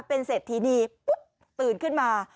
เป็นเศรษฐีนีปุ๊บตื่นขึ้นมา